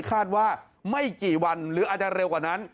คาดว่าไม่กี่วันหรืออาจจะเร็วกว่านั้น